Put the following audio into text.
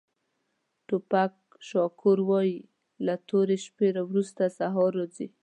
ټوپاک شاکور وایي له تورې شپې وروسته سهار راځي.